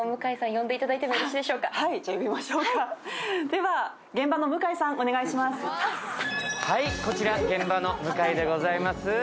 はい、こちら現場の向井でございます。